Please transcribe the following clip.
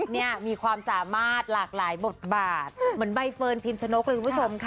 เนี่ยมีความสามารถหลากหลายบทบาทเหมือนใบเฟิร์นพิมชนกเลยคุณผู้ชมค่ะ